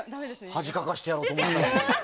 恥かかせてやろうと思ったのに。